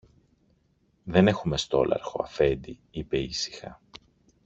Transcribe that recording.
Δεν έχουμε στόλαρχο, Αφέντη, είπε ήσυχα.